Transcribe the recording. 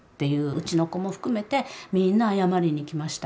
うちの子も含めてみんな謝りに行きました。